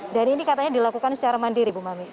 dan ini katanya dilakukan secara mandiri ibu malik